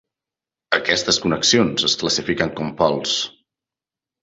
Aquestes connexions es classifiquen com pols.